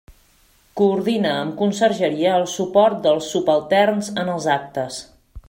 Coordina amb Consergeria el suport dels subalterns en els actes.